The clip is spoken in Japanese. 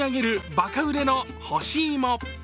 ばか売れの干しいも。